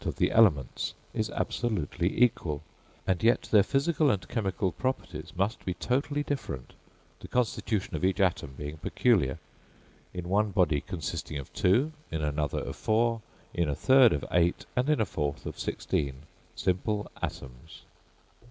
of the elements is absolutely equal; and yet their physical and chemical properties must be totally different, the constitution of each atom being peculiar, in one body consisting of two, in another of four, in a third of eight, and in a fourth of sixteen simple atoms.